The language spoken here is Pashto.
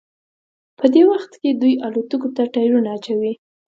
په دې وخت کې دوی الوتکو ته ټیرونه اچوي